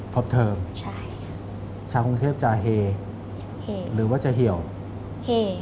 ครบเทิมชาวกรุงเทพจะเหหรือว่าจะเหี่ยวเห